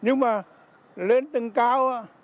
nhưng mà lên tầng cao